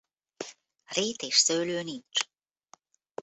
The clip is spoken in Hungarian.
Rét és szőlő nincs.